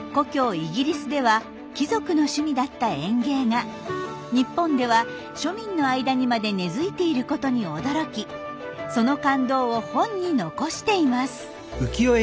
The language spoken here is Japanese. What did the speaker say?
イギリスでは貴族の趣味だった園芸が日本では庶民の間にまで根づいていることに驚きその感動を本に残しています。